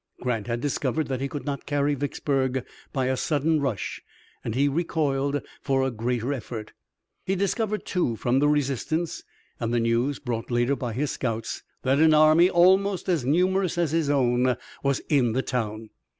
Grant had discovered that he could not carry Vicksburg by a sudden rush and he recoiled for a greater effort. He discovered, too, from the resistance and the news brought later by his scouts that an army almost as numerous as his own was in the town.